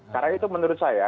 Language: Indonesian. karena itu menurut saya